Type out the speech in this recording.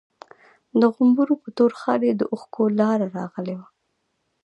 د غومبري په تور خال يې د اوښکو لاره راغلې وه.